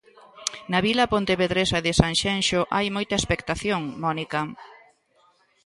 Na vila pontevedresa de Sanxenxo hai moita expectación, Mónica...